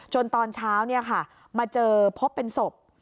ตอนเช้ามาเจอพบเป็นศพ